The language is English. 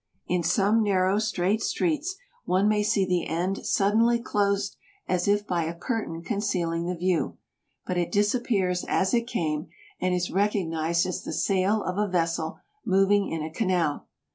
In some narrow, straight streets one may see the end suddenly closed as if by a curtain concealing the view ; but it disappears as it came, and is recognized as the sail of a vessel moving in a canal.